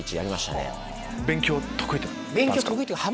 勉強得意とか。